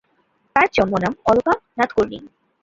তার জন্ম নাম অলকা নাদকর্ণি।